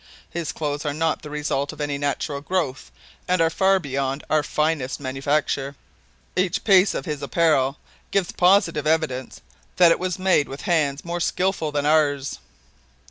His clothes are not the result of any natural growth, and are far beyond our finest manufacture. Each piece of his apparel gives positive evidence that it was made with hands more skillful than ours."